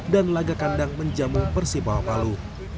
dan laga kandang menjamu persipawa palu